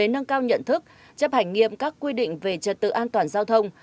nhân nhận thức chấp hành nghiệm các quy định về trật tự an toàn giao thông